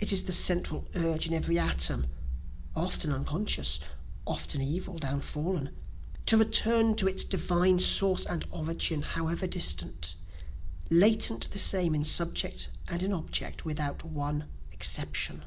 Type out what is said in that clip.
"It is the central urge in every atom, (Often unconscious, often evil, downfallen,) To return to its divine source and origin, however distant, Latent the same in subject and in object, without one exception."